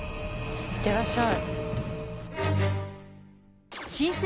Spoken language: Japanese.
行ってらっしゃい。